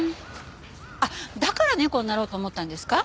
あっだから猫になろうと思ったんですか？